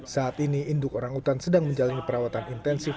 saat ini induk orangutan sedang menjalani perawatan intensif